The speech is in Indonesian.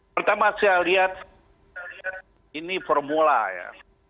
pertama saya lihat ini formula ya